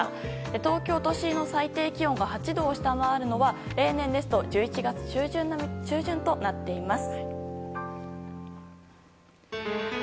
東京都心の最低気温が８度を下回るのは例年では１１月中旬となっています。